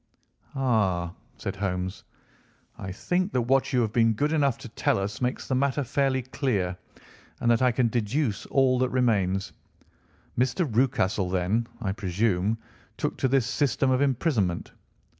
"Ah," said Holmes, "I think that what you have been good enough to tell us makes the matter fairly clear, and that I can deduce all that remains. Mr. Rucastle then, I presume, took to this system of imprisonment?"